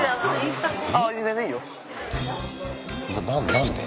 何で？